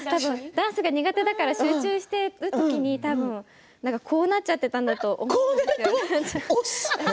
ダンスが苦手だから集中している時に、多分こうなっちゃってたんだと思います。